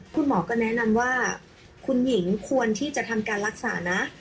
คุณหมอก็แนะนำว่าคุณหญิงควรที่จะทำการรักษานะ